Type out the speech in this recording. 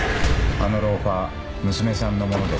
あのローファー娘さんのものです。